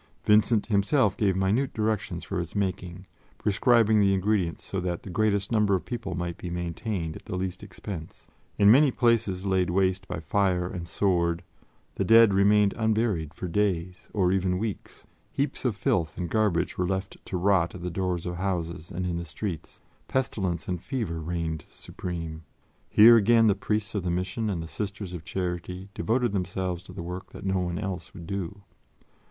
Vincent himself gave minute directions for its making, prescribing the ingredients so that the greatest number of people might be maintained at the least expense. In many places laid waste by fire and sword, the dead remained unburied for days or even weeks. Heaps of filth and garbage were left to rot at the doors of houses and in the streets; pestilence and fever reigned supreme. Here, again, the Priests of the Mission and the Sisters of Charity devoted themselves to the work that no one else would do.